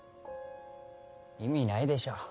意味ないでしょ